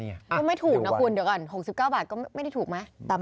ก็ไม่ถูกนะคุณเดี๋ยวก่อน๖๙บาทก็ไม่ได้ถูกไหม